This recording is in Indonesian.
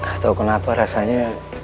gak tau kenapa rasanya